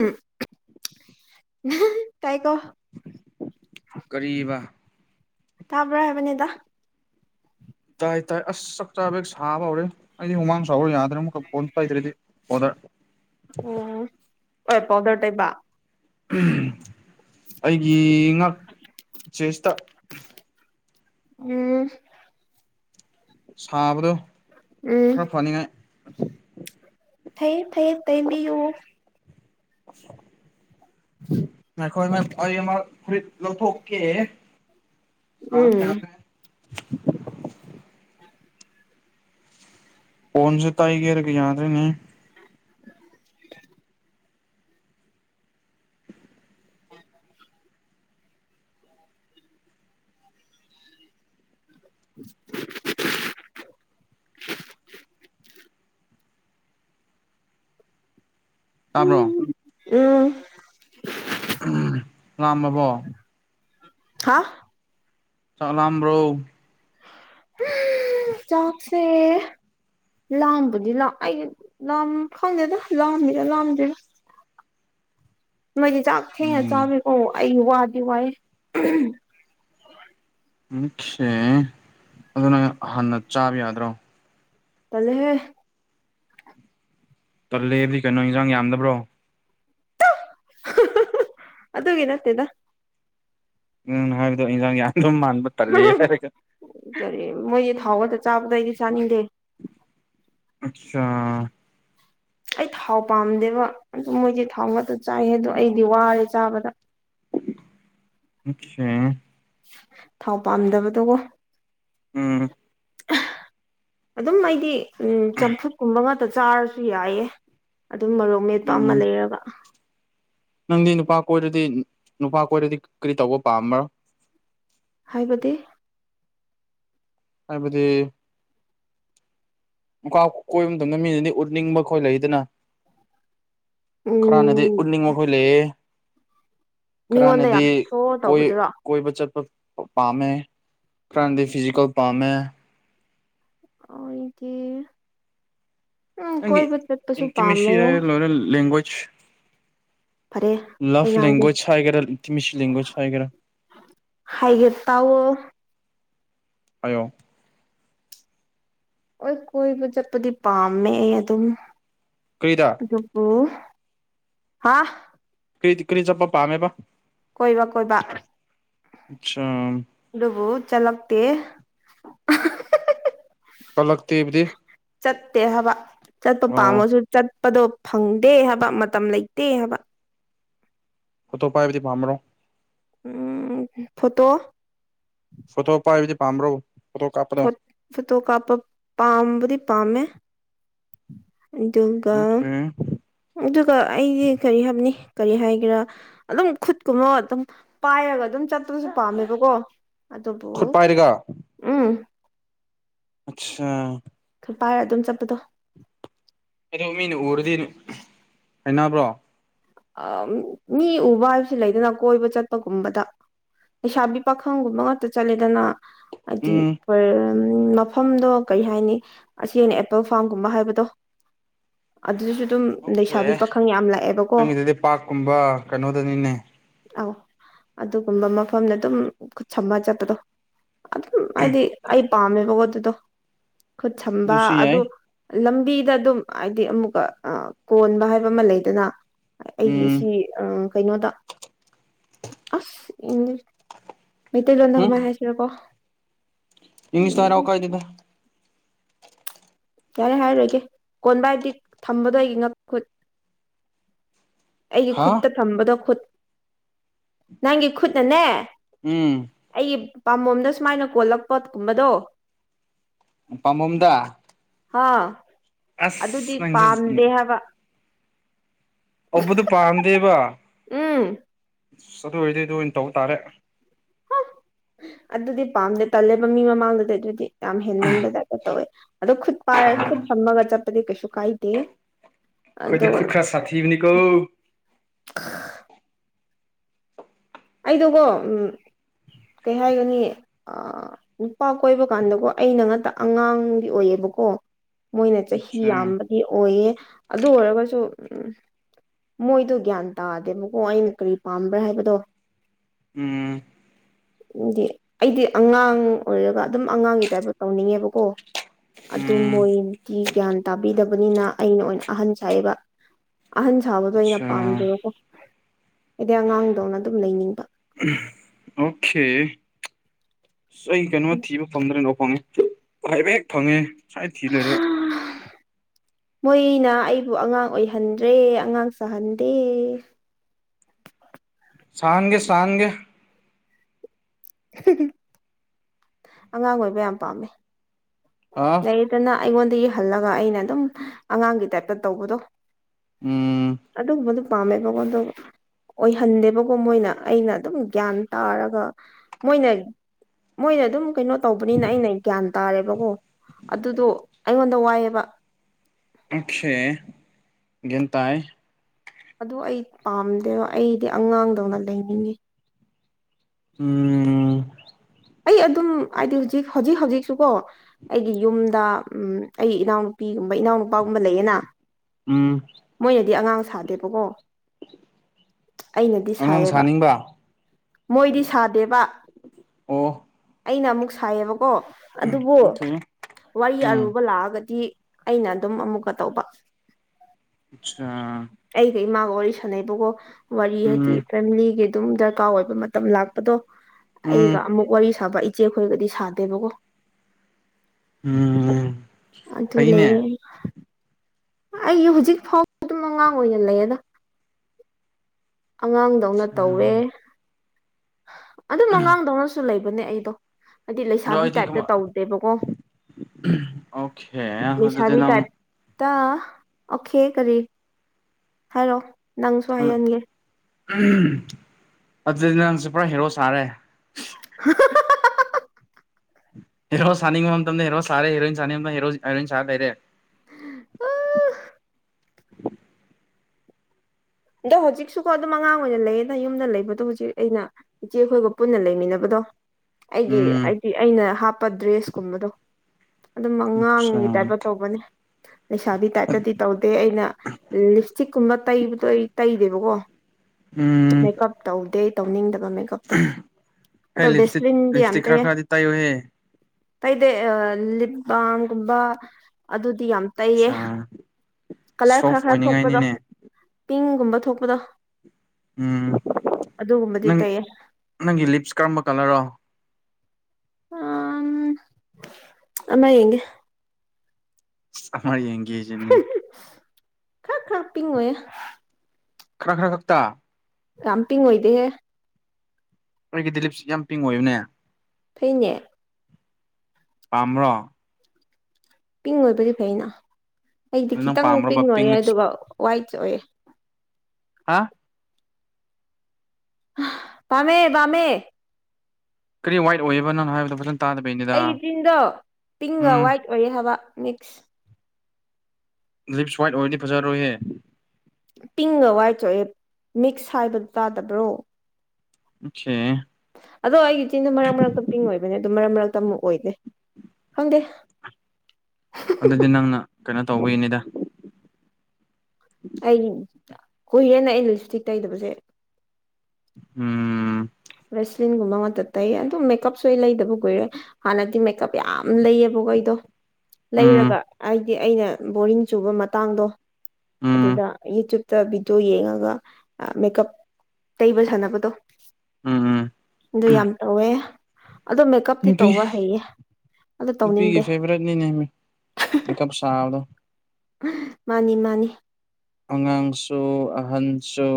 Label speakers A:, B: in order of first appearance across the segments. A: ꯎꯝ ꯎꯝ
B: ꯀꯔꯤꯕꯥ
A: ꯇꯕ ꯍꯥꯏꯕꯅꯦꯗ
B: ꯇꯥꯏ ꯇꯥꯏ ꯑꯁ ꯆꯥꯛ ꯆꯥ ꯕꯦꯛ ꯁꯥꯕ ꯍꯧꯔꯦ ꯑꯩꯗꯤ ꯍꯨꯃꯥꯡ ꯁꯥꯎꯔ ꯌꯥꯗ꯭ꯔꯥ ꯑꯃꯨꯛꯈꯛ ꯐꯣꯟ ꯂꯩꯇ꯭ꯔꯗꯤ ꯑꯣꯗ
A: ꯑꯣꯝ ꯑꯣ ꯄꯣꯗꯣꯇꯩꯕꯥ
B: ꯑꯩꯒꯤ ꯉꯥꯛ ꯆꯦꯁꯇ
A: ꯎꯝ
B: ꯁꯥꯕꯗꯣ
A: ꯎꯝ
B: ꯈꯔ ꯐꯅꯤꯉꯥꯏ
A: ꯊꯩꯌꯦ ꯊꯌꯦ ꯇꯕꯤ ꯌ
B: [inaudible] ꯈꯣꯏ ꯃ ꯑꯩꯃ ꯐꯔꯤ ꯂꯧꯊ ꯀꯦ ꯑꯥꯎ
A: ꯎꯝ
B: ꯌꯥꯗ
A: ꯎ
B: ꯀꯣꯟꯁꯦ ꯇꯏꯒꯦꯔꯒ ꯌꯥꯗꯔꯦꯅꯦ
A: [inaudible]
B: ꯇꯥꯕ꯭ꯔꯣ
A: ꯎꯝ
B: ꯔꯝꯕꯥꯕꯣ
A: ꯍꯥ
B: ꯆꯠꯂꯝꯝ ꯔꯣ
A: ꯆꯁꯦ ꯂꯥꯝꯕꯨꯗꯤ ꯂ ꯑꯩ ꯂꯝ ꯐꯪꯗꯦꯗ ꯂꯥꯝꯃꯤꯔ ꯂꯝꯗꯣꯏꯔ ꯃꯣꯏꯗꯤ ꯆꯥꯛ ꯊꯦꯡꯅ
B: ꯎꯝ
A: ꯆꯥꯕꯤꯀꯣ ꯑꯩ ꯋꯥꯗꯤ ꯋꯥꯏꯦ
B: ꯎꯁꯦ ꯑꯗꯨ ꯅꯪ ꯍꯟꯅ ꯆꯥꯕ ꯌꯥꯗ꯭ꯔꯣ
A: ꯇꯂꯦꯦ
B: ꯇꯂꯦꯕꯗꯤ ꯀꯩꯅꯣ ꯌꯦꯟꯖꯥꯡ ꯌꯥꯝꯗꯕ꯭ꯔꯣ
A: ꯑꯗꯨꯗꯒꯦ ꯅꯠꯇꯦꯗ
B: ꯎꯝ ꯅꯣꯏꯕꯤꯗꯖꯥꯡ ꯇꯂꯂꯤꯌꯥ ꯍꯥꯏꯔꯒ
A: ꯔꯤ ꯃꯣꯏꯒꯤ ꯊꯥꯎꯒꯗ ꯆꯥꯕꯗꯩꯗꯤ ꯆꯥꯅꯤꯡꯗꯦ
B: ꯑꯆꯥꯥ
A: ꯑꯩ ꯊꯥꯎ ꯄꯥꯝꯗꯦꯕ ꯑꯗꯨ ꯃꯣꯏꯗꯤ ꯊꯥꯎ ꯉꯥꯛꯇ ꯆꯥꯏ ꯑꯗꯣ ꯑꯩꯗꯤ ꯋꯥꯔꯦ ꯆꯥꯕꯗ
B: ꯑꯆꯥꯥ
A: ꯊꯥꯎ ꯄꯥꯝꯗꯕꯗꯀꯣ
B: ꯎꯝ
A: ꯑꯗꯨꯝ ꯑꯩꯗꯤ ꯎ ꯆꯝꯐꯨꯠ ꯀꯨꯝꯕ ꯉꯥꯛꯇ ꯆꯥꯔꯁꯨ ꯌꯥꯏꯌꯦ ꯑꯗꯨꯝ ꯃꯔꯣꯛ ꯃꯦꯠꯄ ꯑꯃ
B: ꯎꯝ
A: ꯂꯩꯒ
B: ꯅꯪꯗꯤ ꯅꯨꯄꯥ ꯀꯣꯏꯔꯗꯤ ꯅꯨꯄꯥ ꯀꯣꯏꯔꯗꯤ ꯀꯔꯤ ꯇꯧꯕ ꯄꯥꯝꯕ꯭ꯔꯣ
A: ꯍꯥꯏꯕꯗꯤ
B: ꯍꯥꯏꯕꯗꯤ ꯃꯀꯥ ꯀꯣꯏꯕ ꯃꯇꯝꯗ ꯃꯤꯗꯨꯗꯤ ꯎꯠꯅꯤꯡꯕ ꯈꯣꯏ ꯂꯩꯗꯅ ꯈꯔꯅꯗꯤ
A: ꯎꯝ
B: ꯎꯅꯤꯡ ꯃꯈꯈꯣꯏ ꯂꯩꯌꯦ
A: ꯃꯤꯉꯣꯟꯗ ꯌꯥꯝ
B: ꯈꯔꯅꯗꯤ
A: ꯁꯣ ꯇꯧꯕꯗꯨꯔꯣ
B: ꯀꯣꯏꯕ ꯆꯠꯄ ꯄꯥꯝꯃꯦ ꯈꯔꯗꯤ ꯐꯤꯖꯤꯀꯦꯜ ꯄꯥꯝꯃꯦ
A: ꯑ ꯏꯗꯤ
B: ꯅꯪꯒꯤ ꯏꯟꯇꯤꯃꯦꯁꯤꯌꯥ ꯂꯣꯏꯅꯦꯜ ꯂꯦꯡꯒ꯭ꯋꯦꯖ
A: ꯐꯔꯦ ꯑꯩ
B: ꯂꯐ
A: ꯉꯥꯡꯒꯦ
B: ꯂꯦꯡꯒ꯭ꯋꯦꯖ ꯍꯥꯏꯒꯦꯔꯇꯤꯃꯤꯁꯤ ꯂꯦꯡꯒ꯭ꯋꯦꯖ ꯍꯥꯏꯒꯦꯔꯥ
A: ꯍꯥꯏꯒꯦ ꯇꯥꯎꯑꯣ
B: ꯑꯣ
A: ꯍꯣꯏ ꯀꯣꯏꯕ ꯆꯠꯄꯗꯤ ꯄꯥꯝꯃꯦ ꯑꯩ ꯑꯗꯨꯝ
B: ꯀꯔꯤꯗ
A: ꯑꯗꯨꯕꯨ ꯍꯥꯥ
B: ꯀꯗꯤ ꯀ ꯆꯞꯄ ꯄꯥꯝꯃꯦ ꯄ
A: ꯀꯣꯏꯕ ꯀꯣꯏꯕ
B: ꯑꯆꯥ
A: ꯑꯗꯨꯕꯨ ꯆꯠꯂꯛꯇꯦ
B: ꯀꯂꯛ ꯇꯕꯗꯤ
A: ꯆꯠꯇꯦ ꯍꯥꯏꯕ ꯆꯠꯄ ꯄꯥꯝꯃꯁꯨ ꯆꯠ ꯆꯄꯗꯣ ꯐꯪꯗꯦ ꯍꯥꯏꯕ ꯃꯇꯝ ꯂꯩꯇꯦ ꯍꯥꯏꯕ
B: ꯐ ꯇꯣ ꯄꯥꯏꯕꯗꯤ ꯐꯥꯃꯔꯣ
A: ꯐꯣꯇꯣ
B: ꯁꯣꯊꯣ ꯎꯄꯥꯏ ꯄꯥꯝꯔꯣ
A: ꯐ ꯐꯇꯣ ꯀꯄ ꯄꯥꯝꯕꯗꯤ ꯄꯥꯝꯃꯦ ꯑꯗꯨꯒꯗꯨꯒꯥ
B: ꯑꯣꯀꯦ
A: ꯑꯗꯨꯒ ꯑꯩꯗꯤ ꯀꯔꯤ ꯍꯥꯏꯅꯤꯡ ꯀꯔꯤ ꯍꯥꯏꯒꯦꯔꯥ ꯑꯗꯨꯝ ꯈꯨꯠꯀꯨꯝꯕ ꯑꯗꯨꯝ ꯄꯥꯏꯔꯒ ꯑꯗꯨꯝ ꯆꯠꯄꯁꯨ ꯄꯥꯝꯃꯦꯕꯀꯣ ꯑꯗꯨꯗꯕꯨ
B: ꯈꯨꯠ ꯄꯥꯏꯔꯒ
A: ꯎꯝ
B: ꯑꯆꯥ
A: ꯅꯨꯄꯥꯥꯏꯔꯒ ꯑꯗꯨꯝ ꯆꯠꯄꯗꯣ
B: ꯑꯗꯣ ꯃꯤꯅ ꯎꯔꯗꯤ ꯍꯥꯏꯅꯕ꯭ꯔꯣ
A: ꯑ ꯃꯤ ꯎꯕ ꯍꯥꯏꯕꯁꯤ ꯂꯩꯗꯅ ꯀꯣꯏꯕ ꯆꯠꯄꯒꯨꯝꯕꯗ ꯂꯩꯁꯥꯕꯤ ꯄꯥꯈꯪꯒꯨꯝꯕ ꯉꯥꯛꯇ ꯆꯠꯂꯦꯗꯅ
B: ꯎꯝ
A: ꯍꯥꯏꯗꯤꯔ ꯎ ꯃꯐꯝꯗꯣ ꯀꯩ ꯍꯥꯏꯅꯤ ꯑꯁꯤꯁꯦꯡꯅ ꯑꯦꯄꯜ ꯐꯥꯔꯝꯒꯨꯝꯕ ꯍꯥꯏꯕꯗꯣ ꯑꯗꯨꯁꯨ ꯑꯗꯨꯝ
B: ꯑꯣꯀꯦ
A: ꯂꯩꯁꯥꯕꯤ ꯄꯥꯈꯪ ꯌꯥꯝ ꯂꯥꯛꯑꯦꯕꯀꯣ
B: ꯅꯪꯒꯤꯗꯨꯗꯤ ꯄꯥꯛꯀꯨꯝꯕ ꯀꯩꯅꯣꯗꯅꯤꯅꯦ
A: ꯑꯧ ꯑꯗꯨꯒꯨꯝꯕ ꯃꯐꯝꯗ ꯑꯗꯨꯝ ꯈꯨ ꯁꯝꯃ ꯆꯠꯄꯗꯣ ꯑꯗꯨꯝ ꯍꯥꯏꯗꯤ ꯑꯩ ꯄꯥꯝꯃꯦꯕ ꯄꯣꯠꯇꯨꯗꯣ ꯈꯨꯠ ꯁꯝꯕ
B: ꯑꯗꯨꯁꯨ
A: ꯑꯗꯨ
B: ꯌꯥꯏ
A: ꯂꯝꯕꯤꯗ ꯑꯗꯨꯝ ꯍꯥꯏꯗꯤ ꯑꯃꯨꯛꯀ ꯀꯣꯟꯕ ꯍꯥꯏꯕ ꯑꯃ ꯂꯩꯗꯅ
B: ꯎꯝ
A: ꯑꯩꯒꯤꯁꯤ ꯀꯩꯅꯣꯗ ꯑꯁ ꯃꯩꯇꯩꯂꯣꯟꯗ ꯀꯃꯥꯏꯅ ꯍꯥꯏꯁꯤꯅꯀꯣ
B: ꯍꯃꯤꯁꯋꯥꯔ ꯅꯎ ꯀꯥꯏꯗꯗ
A: ꯌꯥꯔꯦ ꯍꯥꯏꯔꯣꯏꯒꯦ ꯀꯣꯟꯕ ꯍꯥꯏꯕꯗꯤ ꯊꯝꯕꯗꯒꯤ ꯉꯛ ꯈꯨꯨꯠ ꯑꯩꯒꯤ
B: ꯍꯥ
A: ꯈꯨꯠꯇ ꯊꯝꯕꯗꯣ ꯈꯨꯠ ꯅꯪꯒꯤ ꯈꯨꯠꯅꯅꯦ
B: ꯎꯝ
A: ꯑꯩꯒꯤ ꯄꯥꯝꯕꯣꯝꯗ ꯁꯨꯃꯥꯏꯅ ꯀꯣꯜꯂꯛꯄ ꯀꯨꯝꯕꯗꯣ
B: ꯄꯥꯃꯝꯗ
A: ꯍꯥ ꯑꯗꯨꯗꯤ
B: ꯅꯪꯁꯦ
A: ꯄꯥꯝꯗꯦ ꯍꯥꯏꯕ
B: ꯎꯕꯗꯨ ꯄꯥꯟꯗꯦꯕ
A: ꯎꯝ
B: ꯑ ꯑꯗꯨ ꯑꯣꯏꯔꯗꯤꯗ ꯑꯣꯏꯅ ꯇꯧꯕ ꯇꯥꯔꯦ
A: ꯑꯗꯨꯗꯤ ꯄꯥꯝꯗꯦ ꯇꯜꯂꯦꯕ ꯃꯤ ꯃꯃꯥꯡꯗꯗꯤ ꯑꯗꯨꯗꯤ ꯌꯥꯝ ꯍꯦꯟꯃꯟꯕꯖꯥꯗ ꯇꯧꯋꯦ ꯑꯗꯣ ꯈꯨꯠꯥꯏ ꯈꯨꯠ ꯁꯝꯃꯒ ꯆꯠꯄꯗꯤ ꯀꯩꯁꯨ ꯀꯥꯏꯗꯦ
B: ꯈꯣꯏꯗ
A: ꯑꯗꯣ
B: ꯈꯨꯠꯈꯔ ꯁꯥꯊꯤꯕꯅꯤꯀꯣ
A: ꯑꯩꯗꯒꯣ ꯎꯝ ꯀꯩ ꯍꯥꯏꯒꯅꯤ ꯅꯨꯄꯥ ꯀꯣꯏꯕ ꯀꯥꯟꯗꯀꯣ ꯑꯩꯅ ꯉꯥꯛꯇ ꯑꯉꯥꯡꯒꯤ ꯑꯣꯏꯌꯦꯕ ꯀꯣ ꯃꯣꯏꯅ ꯆꯍꯤ
B: ꯑꯠꯁꯥ
A: ꯌꯥꯝꯕꯗꯤ ꯑꯣꯏꯌꯦ ꯑꯗꯨ ꯑꯣꯏꯔꯒꯁꯨ ꯎꯝ ꯃꯣꯏꯗꯣ ꯒ꯭ꯌꯥꯟ ꯇꯥꯗꯦꯕꯀꯣ ꯑꯩꯅ ꯀꯔꯤ ꯄꯥꯝꯕ꯭ꯔꯥ ꯍꯥꯏꯕꯗꯣ
B: ꯎꯝ
A: ꯎ ꯑꯩꯗꯤ ꯑꯉꯥꯡ ꯑꯣꯏꯔꯒ ꯑꯗꯨꯝ ꯑꯉꯥꯡꯒꯤ ꯇꯥꯏꯞꯇ ꯇꯧꯅꯤꯡꯉꯦꯕꯀꯣ ꯑꯗꯨ
B: ꯎꯝ
A: ꯃꯣꯏꯗꯤ ꯒ꯭ꯌꯥꯟ ꯇꯥꯕꯤꯗꯕꯅꯤꯅ ꯑꯩꯅ ꯑꯣꯏꯅ ꯑꯍꯟ ꯁꯥꯏꯑꯕ ꯑꯍꯟ ꯁꯥꯕꯗꯣ ꯑꯩꯅ
B: ꯑꯠꯁꯥ
A: ꯄꯥꯝꯗꯕꯀꯣ ꯍꯥꯏꯗꯤ ꯑꯉꯥꯡꯗꯧꯅ ꯑꯗꯨꯝ ꯂꯩꯅꯤꯡꯕ
B: ꯑꯣꯀꯦ ꯆꯍꯤ ꯀꯩꯅꯣꯃ ꯊꯤꯕ ꯐꯪꯗ꯭ꯔꯦ ꯉ ꯍꯥꯏꯕꯦꯛ ꯍꯦꯛ ꯐꯪꯉꯦ ꯁꯨꯃꯥꯏꯅ ꯊꯤ ꯂꯩꯔ
A: [unintelligible] ꯃꯣꯏꯅ ꯑꯩꯕꯨ ꯑꯉꯥꯡ ꯑꯣꯏꯍꯟꯗ꯭ꯔꯦ ꯑꯉꯥꯡ ꯆꯍꯟꯗꯦ [unintelligible]
B: ꯁꯍꯥꯟꯒ ꯁꯍꯥꯟꯒ
A: [unintelligible] ꯑꯉꯥꯡ ꯑꯣꯏꯕ ꯌꯥꯝ ꯄꯥꯝꯃꯦ
B: ꯑꯥ
A: ꯂꯩꯗꯅ ꯑꯩꯉꯣꯟꯗ ꯌꯦꯍꯜꯂꯒ ꯑꯩꯅ ꯑꯗꯨꯝ ꯑꯉꯥꯡꯒꯤ ꯇꯥꯏꯞꯇ ꯇꯧꯕꯗꯣ
B: ꯎꯝ
A: ꯑ ꯇ ꯃꯗꯨ ꯄꯥꯃꯦ ꯀꯣꯒꯣꯗ ꯑꯣꯏꯍꯟꯗꯦꯕꯀꯣ ꯃꯣꯏꯅ ꯑꯩꯅ ꯑꯗꯨꯝ ꯒ꯭ꯌꯥꯟ ꯇꯥꯔꯒ ꯃꯣꯏꯅ ꯃꯣꯏꯅ ꯑꯗꯨꯝ ꯀꯩꯅꯣ ꯇꯧꯕꯅꯤꯅ ꯑꯩꯅ ꯒ꯭ꯌꯥꯟ ꯇꯥꯔꯦꯕꯀꯣ ꯑꯗꯨꯗꯣ ꯑꯩꯉꯣꯟꯗ ꯋꯥꯏꯑꯦꯕ
B: ꯑꯁꯦ ꯦꯟꯇꯥꯏ
A: ꯑꯗꯨ ꯑꯩ ꯄꯥꯝꯗꯦꯕ ꯑꯩꯗꯤ ꯑꯉꯥꯡꯗꯧꯅ ꯂꯩꯅꯤꯡꯉꯤ
B: ꯎꯝ
A: ꯑꯩ ꯑꯗꯨꯝ ꯍꯥꯏꯗꯤ ꯍꯧꯖꯤꯛ ꯍꯧꯖꯤꯛ ꯍꯧꯖꯤꯛꯁꯨꯀꯣ ꯑꯩꯒꯤ ꯌꯨꯝꯗ ꯎꯝ ꯑꯩ ꯏꯅꯥꯎꯅꯨꯄꯤꯒꯨꯝꯕ ꯏꯅꯥꯎꯅꯨꯄꯥꯒꯨꯝꯕ ꯂꯩꯌꯦꯅ
B: ꯎꯝ
A: ꯃꯣꯏꯅꯗꯤ ꯑꯉꯥꯡ ꯁꯥꯗꯦꯕꯀꯣ ꯑꯩꯅꯗꯤ
B: ꯑꯉꯥꯡ
A: ꯁꯥꯏꯌꯦꯕ
B: ꯁꯥꯅꯤꯡꯕ ꯑꯣ
A: ꯃꯣꯏꯗꯤ ꯁꯥꯗꯦꯕ
B: ꯑꯣꯐ
A: ꯑꯩꯅ ꯑꯃꯨꯛ ꯁꯥꯏꯌꯦꯕꯀꯣ ꯑꯗꯨꯕꯨ
B: ꯑꯣꯀꯦ
A: ꯋꯥꯔꯤ
B: ꯎꯝ
A: ꯑꯔꯨꯕ ꯂꯥꯛꯑꯒꯗꯤ ꯑꯩꯅ ꯑꯗꯨꯝ ꯑꯃꯨꯛꯀ ꯇꯧꯕ
B: ꯑꯆꯥ
A: ꯃꯥꯒ ꯋꯥꯔꯤ ꯁꯥꯟꯅꯩꯕꯒꯣ ꯋꯥꯔꯤ ꯍꯥꯏꯗꯤ
B: ꯎꯝ
A: ꯐꯦꯃꯤꯂꯤꯒꯤ ꯑꯗꯨꯝ ꯗꯔꯀꯥꯔ ꯑꯣꯏꯕ ꯃꯇꯝ ꯂꯥꯛꯄꯗꯣ ꯑꯩꯒ
B: ꯎꯝ
A: ꯑꯃꯨꯛ ꯋꯥꯔꯤ ꯁꯥꯕ ꯏꯆꯦꯈꯣꯏꯒꯗꯤ ꯁꯥꯗꯦꯕꯀꯣ
B: ꯎꯝ
A: ꯑꯗꯨ
B: ꯐꯩꯅꯦ
A: ꯂꯩꯦ ꯑꯩ ꯍꯧꯖꯤꯛ ꯐꯥꯎ ꯑꯗꯨꯝ ꯑꯉꯥꯡ ꯑꯣꯏꯅ ꯂꯩ ꯑꯗ ꯑꯉꯥꯡꯗꯧꯅ ꯇꯧꯋꯦ
B: ꯑꯗꯣ
A: ꯑꯗꯨꯝ ꯅꯨꯡꯉꯥꯡꯗꯧꯅꯁꯨ ꯂꯩꯕꯅꯦ ꯑꯩꯗꯣ ꯍꯥꯏꯗꯤ ꯂꯩꯁꯥꯕꯤ
B: ꯑꯩꯗꯤ
A: ꯇꯥꯏꯞꯇ
B: ꯀꯃ
A: ꯇꯧꯗꯦꯕꯀꯣ
B: ꯑꯣꯀꯦ ꯑꯗꯨ ꯑꯗꯨꯗꯤ ꯅꯪ
A: ꯇ ꯑꯣꯀꯦ ꯀꯔꯤ ꯍꯥꯏꯔꯛꯑꯣ ꯅꯪꯁꯨ ꯍꯥꯏꯍꯟꯒꯦ
B: ꯑꯗꯨꯗꯤ ꯅꯪꯁꯨ ꯄꯨꯔꯥ ꯍꯦꯔꯣ ꯁꯥꯔꯦ
A: [unintelligible]
B: ꯍꯦꯔꯣ ꯁꯥꯅꯤꯡꯕ ꯃꯇꯝꯗ ꯍꯦꯔꯣ ꯁꯥꯔꯦ ꯍꯦꯔꯣꯏꯟ ꯁꯥꯅꯤꯡꯕ ꯍꯔꯣꯏ ꯁꯥꯔ ꯂꯩꯔꯦ [unintelligible]
A: ꯑꯗꯣ ꯍꯧꯖꯤꯛꯁꯨꯀꯣ ꯑꯗꯨꯝ ꯑꯉꯥꯡ ꯑꯣꯏꯅ ꯂꯩꯌꯦꯅ ꯌꯨꯝꯗ ꯂꯩꯕꯗꯣ ꯍꯧꯖꯤꯛ ꯑꯩꯅ ꯏꯆꯦ ꯑꯩꯈꯣꯏꯒ ꯄꯨꯟꯅ ꯂꯩꯃꯤꯟꯅꯕꯗꯣ ꯑꯩꯒꯤ
B: ꯎꯝ
A: ꯍꯥꯏꯗꯤ ꯑꯩꯅ ꯍꯥꯞꯄ ꯗ꯭ꯔꯦꯁꯀꯨꯝꯕꯗꯣ ꯑꯗꯨꯝ
B: ꯑꯆꯥ
A: ꯑꯉꯥꯡꯒꯤ ꯇꯥꯏꯞꯇ ꯇꯧꯕꯅꯦ ꯂꯩꯁꯥꯕꯤ ꯇꯥꯏꯞꯇꯗꯤ ꯇꯧꯗꯦ ꯑꯩꯅ ꯂꯤꯞ ꯏꯁꯇꯤꯛ ꯀꯨꯝꯕ ꯇꯩꯕꯗꯣ ꯑꯩ ꯇꯩꯗꯦꯕꯀꯣ
B: ꯎꯝ
A: ꯃꯦꯀꯞ ꯇꯧꯗꯦ ꯇꯧꯅꯤꯡꯗꯕ ꯃꯦꯞ
B: ꯍꯦ
A: ꯑꯣ
B: ꯂꯤꯞꯁꯇꯤꯛ
A: ꯦꯁꯂꯤꯤꯟꯗꯤ
B: ꯂꯤꯞꯁꯇꯤꯛ
A: ꯑꯇ
B: ꯈꯔ ꯈꯔꯗꯤ ꯇꯩꯌꯨꯍꯦ
A: ꯇꯩꯗꯦ ꯂꯤꯞ ꯕꯥꯝꯒꯨꯝꯕ ꯑꯗꯨꯗꯤ ꯌꯥꯝ ꯇꯩꯌꯦ
B: ꯑꯆꯥ
A: ꯀꯂꯔ ꯈꯔ
B: ꯁꯣꯐ
A: ꯈꯔ ꯊꯣꯛꯄꯗꯣ
B: ꯑꯣꯏꯅꯤꯡꯉꯥꯏꯅꯤꯅꯦ
A: ꯄꯤꯡꯒꯨꯝꯕ ꯊꯣꯛꯄꯗꯣ
B: ꯎꯝ
A: ꯑꯗꯨꯒꯨꯝꯕꯗꯤ
B: ꯅꯪ
A: ꯇꯩꯌꯦ
B: ꯅꯪꯒꯤ ꯂꯤꯞꯁ ꯀꯔꯝꯕ ꯀꯂꯔꯣ
A: ꯑ ꯑꯃ ꯌꯦꯒꯦ
B: ꯑꯔ ꯑꯦꯡꯒꯦꯖꯅꯤ
A: ꯈꯥ ꯈꯥ ꯄꯤꯉꯦ
B: ꯈꯔ ꯈꯔ ꯈꯛꯇ
A: ꯀꯝꯄꯤꯡ ꯑꯣꯏꯗ ꯍꯦ
B: ꯑꯩꯒꯤ ꯗꯤꯂꯤꯞꯁꯤ ꯌꯥꯝ ꯄꯤꯡ ꯑꯣꯏꯕꯅꯦ
A: ꯊꯩꯅꯦꯦ
B: ꯄꯥꯝ꯭ꯔꯣ
A: ꯄꯤꯡ ꯑꯣꯏꯕꯗꯤ ꯐꯩꯅ ꯑꯩꯗꯤ
B: ꯑꯗꯨ ꯅꯪ
A: ꯈꯤꯇꯪ ꯄꯤꯡ
B: ꯄꯥꯝꯕ꯭ꯔꯕ
A: ꯑꯣꯏꯌꯦꯦ
B: ꯂꯤꯞꯁ
A: ꯑꯗꯨꯒ ꯋꯥꯏꯠꯁꯨ ꯑꯣꯏꯌꯦꯦ
B: ꯍꯥ
A: ꯃꯦꯃꯦ ꯕꯥꯃꯦ
B: ꯀꯔꯤ ꯋꯥꯏꯠ ꯑꯣꯏꯕꯅꯣ ꯍꯥꯏꯕꯗꯣ ꯐꯖꯅ
A: ꯑꯩꯒꯤ
B: ꯇꯥꯗꯕꯩꯅꯤꯗ
A: ꯖꯤꯟꯗꯣ ꯄꯤꯡꯒ
B: ꯎꯝ
A: ꯋꯥ꯭ꯏꯠ ꯑꯣꯏꯔꯦ ꯍꯥꯏꯕ ꯃꯤꯛꯁ
B: ꯂꯤꯞꯁ ꯋꯥꯏꯠ ꯑꯣꯏꯔꯗꯤ ꯐꯖꯔꯣꯏꯍꯦ
A: ꯄꯤꯡꯒ ꯋꯥꯏꯠ ꯆꯣꯂꯦꯞ ꯃꯤꯛꯁ ꯍꯥꯏꯕꯗꯨ ꯇꯥꯗꯕ꯭ꯔꯣ
B: ꯑ
A: ꯑꯗꯣ ꯑꯩꯒꯤ ꯆꯤꯟꯗꯨꯣ ꯃꯔꯛ ꯃꯔꯛꯇ ꯄꯤꯡ ꯑꯣꯏꯕꯅꯦ ꯑꯗꯨ ꯃꯔꯛ ꯃꯔꯛꯇ ꯃꯇꯝ ꯑꯣꯏꯗꯦ ꯈꯪꯗꯦ
B: ꯑꯗꯨꯗꯤ ꯅꯪꯅ ꯀꯩꯅꯣ ꯇꯧꯕꯒꯤꯅꯤꯗ
A: ꯑꯩ ꯍꯨꯏꯌꯦꯦꯅ ꯑꯩꯅ ꯂꯤꯞꯁꯇꯤꯛ ꯇꯩꯗꯕꯁꯦ
B: ꯎꯝ
A: ꯕꯦꯁꯂꯤꯟꯒꯨꯝꯕ ꯉꯥꯛꯇ ꯇꯩ ꯑꯗꯨꯝ ꯃꯦꯀꯞꯁꯨ ꯑꯩ ꯂꯩꯗꯕ ꯀꯨꯏꯔꯦ ꯍꯥꯟꯅꯗꯤ ꯃꯦꯀꯞ ꯌꯥꯝ ꯂꯩꯌꯦꯕ ꯩꯗꯣ
B: ꯎꯝ
A: ꯂꯩꯔꯒ ꯍꯥꯏꯗꯤ ꯑꯩꯅ ꯕꯣꯔꯤꯡ ꯆꯨꯕ ꯃꯇꯥꯡꯗꯣ
B: ꯎꯝ
A: ꯑꯗꯨꯗ ꯌꯨꯇ꯭ꯨꯕꯇ ꯚꯤꯗꯤꯑꯣ ꯌꯦꯡꯉꯒ ꯃꯦꯀꯞ ꯇꯩꯕ ꯁꯥꯟꯅꯕꯗꯣ
B: ꯎꯝ ꯎꯝ
A: ꯑꯗꯨ ꯌꯥꯝ ꯇꯧꯋꯦ ꯑꯣ ꯃꯦꯀꯞꯇꯤ
B: ꯅꯨꯄꯤ
A: ꯇꯧꯕ ꯍꯩꯌꯦ ꯑꯗꯣ
B: ꯅꯨꯄꯤꯒꯤ
A: ꯇꯧꯅꯤꯡꯗꯦ
B: ꯐꯦꯕꯔꯦꯠꯅꯦ ꯃ ꯁꯥꯕꯗ
A: ꯃꯥꯅꯤ ꯃꯥꯅꯤ
B: ꯑꯉꯥꯡꯁꯨ ꯑꯍꯟ ꯁꯣ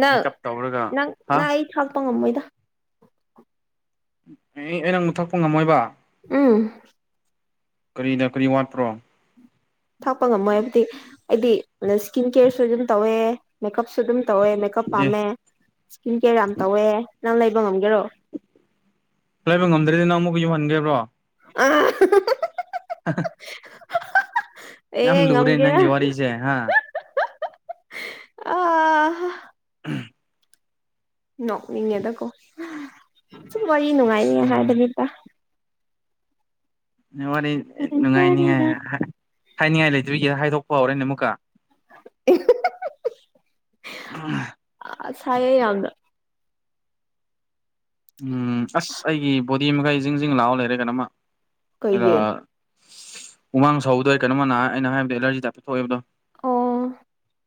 A: ꯅꯪ
B: ꯃꯦꯀꯞ ꯇꯧꯔꯒ
A: ꯅꯪ
B: ꯍꯥ
A: ꯅꯪ ꯑꯩ ꯊꯥꯛꯄ ꯉꯝꯃꯣꯏꯗ
B: ꯑꯦ ꯑꯩ ꯅꯪ ꯑꯃꯨꯛ ꯊꯛꯄ ꯉꯝꯃꯣꯏꯕ
A: ꯎꯝ
B: ꯀꯔꯤꯅ ꯀꯔꯤ ꯋꯥꯠꯄ꯭ꯔꯣ
A: ꯊꯥꯛꯄ ꯉꯝꯃꯣꯏ ꯍꯥꯏꯕꯗꯤ ꯑꯩꯗꯤ ꯏꯁꯀꯤꯟ ꯀꯦꯌꯔꯁꯨ ꯑꯗꯨꯝ ꯇꯧꯋꯦ ꯃꯦꯀꯞꯁꯨ ꯑꯗꯨꯝ ꯇꯧꯋꯦ ꯃꯦꯀꯞ
B: ꯑꯦ
A: ꯄꯝꯃꯦ ꯏꯁ ꯀꯦ ꯌꯥꯝ ꯇꯧꯋꯦ ꯉꯒ
B: ꯂꯩꯕ ꯉꯝꯗ꯭ꯔꯦꯗꯤ ꯅꯪ ꯑꯃꯨꯛꯀ ꯌꯧꯍꯟꯒꯦꯕ꯭ꯔꯣ
A: ꯑ
B: ꯑ
A: ꯑꯦ ꯉꯝꯒꯦ
B: ꯋꯥꯔꯤꯁꯦ ꯍꯥ
A: ꯑꯥ ꯅꯣꯛꯅꯤꯡꯉꯦꯗꯀꯣ ꯁꯨꯝ ꯋꯥꯔꯤ ꯅꯨꯡꯉꯥꯏꯔꯤꯉ
B: ꯑ
A: ꯍꯥꯏꯔꯔꯕꯕꯤꯗ
B: ꯋꯥꯔꯤ ꯅꯨꯡꯉꯥꯏꯅꯤꯉꯥꯏ ꯍꯥꯏꯅꯤꯡꯉꯥꯏ ꯂꯩꯗꯣꯏꯒꯤ ꯍꯥꯏꯗꯣꯛꯄ ꯍꯧꯥꯎꯔꯦꯅꯦ ꯑꯃꯨꯛꯀ
A: [inaudible]
B: ꯑ
A: ꯁꯌꯦ ꯌꯥꯒ
B: ꯎꯝ ꯑꯁ ꯑꯩꯒꯤ ꯕꯣꯗꯤ ꯃꯈꯩ ꯁꯤꯡꯖꯁꯤꯡ ꯂꯥꯛꯑꯣ ꯂꯩꯔꯦ ꯀꯅꯃ
A: ꯀꯩꯦ
B: ꯎꯃꯥꯡ ꯁꯧꯗꯣꯏ ꯀꯩꯅꯣꯃꯅ ꯑꯩꯅ ꯍꯥꯏꯕꯗ ꯑꯦꯂꯔꯖꯤ ꯇ ꯍꯥꯏꯄꯤꯦ ꯊꯣꯛꯑꯦꯕꯗꯣ
A: ꯑꯣ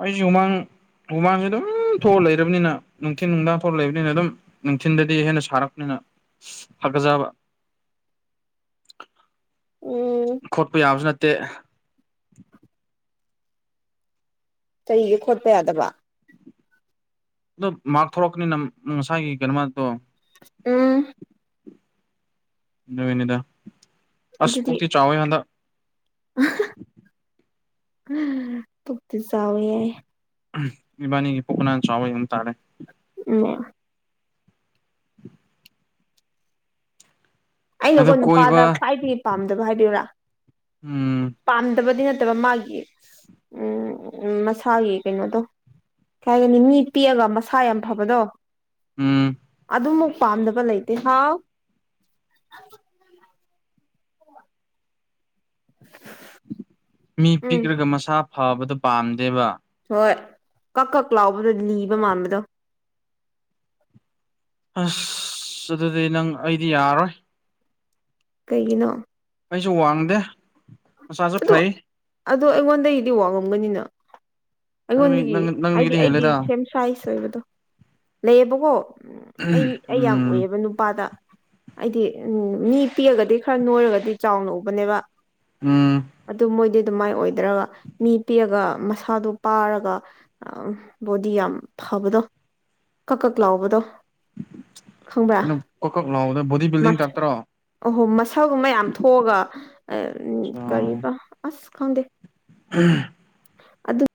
B: ꯑꯩꯣꯏ ꯌꯨꯃꯥꯡ ꯍꯨꯃꯥꯡꯁꯦ ꯑꯗꯨꯝ ꯊꯣꯛꯑ ꯂꯩꯔꯕꯅꯤꯅ ꯅꯨꯡꯊꯤꯟ ꯅꯨꯡꯗꯥꯡ ꯊꯣꯛꯑ ꯂꯩꯕꯅꯤꯅ ꯑꯗꯨꯝ ꯅꯨꯡꯊꯤꯟꯗꯗꯤ ꯍꯦꯟꯅ ꯁꯥꯔꯛꯄꯅꯤꯅ ꯐꯛꯖꯕ
A: [inaudible]
B: ꯈꯣꯠꯄ ꯌꯥꯕꯁꯨ ꯅꯠꯇꯦ
A: ꯆꯍꯤꯒ ꯈꯣꯠꯄ ꯌꯥꯗꯕ
B: ꯑꯣ ꯃꯥꯔ ꯊꯂꯛꯀꯅꯤ ꯅ ꯉꯁꯥꯏꯒꯤ ꯀꯩꯅꯣꯃꯗꯣ
A: ꯎꯝ
B: ꯅꯃꯤꯅꯤꯗ ꯑꯁ
A: ꯑꯗꯨꯗꯤ
B: ꯄꯨꯤ ꯆꯥ ꯃꯗ
A: ꯐꯗꯤ ꯆꯕ ꯌꯥ
B: ꯏꯕꯥꯅꯤ ꯄꯨꯈꯅꯥꯅ ꯆꯕ ꯏꯟ ꯇꯥꯔꯦ
A: ꯑꯣ
B: ꯑꯗꯣ
A: ꯑꯩꯅꯀꯣ ꯅꯨꯄꯥꯗ
B: ꯀꯣꯏꯕ
A: ꯈ꯭ꯋꯥꯏꯗꯒꯤ ꯄꯥꯝꯗꯕ ꯍꯥꯏꯕꯤꯣꯏꯣꯏꯔꯥ
B: ꯎꯝ
A: ꯄꯥꯝꯗꯕꯗꯤ ꯅꯠꯇꯕ ꯃꯥꯒꯤ ꯎ ꯃꯁꯥꯒꯤ ꯀꯩꯅꯣꯗꯣ ꯀꯩꯒꯅꯤ ꯃꯤ ꯄꯤꯛꯑꯒ ꯃꯁꯥ ꯌꯥꯝ ꯐꯕꯗꯣ
B: ꯎꯝ
A: ꯑꯗꯨꯃꯨ ꯄꯥꯝꯗꯕ ꯂꯩꯇꯦ ꯍꯥꯎ
B: ꯃꯤ
A: ꯎꯝ
B: ꯄꯤꯛ꯭ꯔꯒ ꯃꯁꯥ ꯐꯕꯗꯨꯣ ꯄꯥꯝꯗꯦꯕ
A: ꯍꯣꯏ ꯀꯛ ꯀꯛ ꯂꯥꯎꯕꯗꯣ ꯅꯤꯕ ꯃꯥꯟꯕꯗꯣ
B: ꯑꯁ ꯑꯗꯨꯗꯤ ꯅꯪ ꯑꯩꯗꯤ ꯌꯥꯔꯔꯣꯏ
A: ꯀꯩꯒꯤꯅꯣ
B: ꯑꯩꯁꯨ ꯋꯥꯡꯗꯦ ꯃꯆꯥꯁꯨ
A: ꯑꯗꯨ
B: ꯐꯩ
A: ꯑꯗꯣ ꯑꯩꯉꯣꯟꯗꯒꯤꯗꯤ ꯋꯥꯉꯝꯒꯅꯤꯅ
B: ꯅꯪꯗꯤ
A: ꯑꯩꯉꯣꯟꯗꯒꯤ
B: ꯅꯪ
A: ꯍꯥꯏꯗꯤ
B: ꯅꯪꯗꯒꯤꯗꯤ
A: ꯑꯩꯒꯤ
B: ꯍꯦꯜꯂꯦꯗ
A: ꯁꯦꯝ ꯁꯥꯏꯖ ꯑꯣꯏꯕꯗꯣ ꯂꯩꯌꯦꯕꯀꯣ ꯎꯝ ꯑꯩ ꯑꯩ ꯌꯥꯝ
B: ꯎꯝ
A: ꯎꯏꯑꯕ ꯅꯨꯄꯥꯗ ꯑꯩꯗꯤ ꯎꯝ ꯃꯤ ꯄꯤꯛꯑꯒꯗꯤ ꯈꯔ ꯅꯣꯏꯔꯒꯗꯤ ꯆꯥꯎꯅ ꯎꯕꯅꯦꯕ
B: ꯎꯝ
A: ꯑꯗꯨ ꯃꯣꯏꯗꯤ ꯑꯗꯨꯃꯥꯏꯅ ꯑꯣꯏꯗ꯭ꯔꯒ ꯃꯤ ꯄꯤꯛꯑꯒ ꯃꯁꯥꯗꯨꯣ ꯄꯥꯔꯒ ꯕꯣꯗꯤ ꯌꯥꯝ ꯐꯥꯕꯗꯣ ꯀꯛ ꯀꯛ ꯂꯥꯎꯕꯗꯣ ꯈꯪꯕ꯭ꯔꯥ
B: ꯀꯩꯅꯣ ꯀꯣꯛ ꯀꯛ ꯂꯥꯎꯕꯗ ꯕꯣꯗꯤ ꯕꯤꯜꯗꯤꯡ ꯇꯇ꯭ꯔꯣ
A: ꯑꯍꯣ ꯃꯁꯜꯒꯨꯝꯕ ꯌꯥꯝ ꯊꯣꯛꯑꯒ ꯀꯔꯤꯕ ꯑꯁ ꯈꯪꯗꯦ
B: ꯎꯝ
A: ꯑꯗꯨ ꯑꯗꯨ